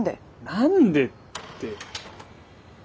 何でって。